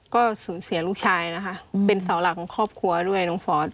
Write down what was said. ก็สูญเสียลูกชายนะคะเป็นเสาหลักของครอบครัวด้วยน้องฟอส